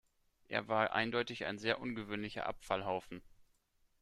Er war eindeutig ein sehr ungewöhnlicher Abfallhaufen.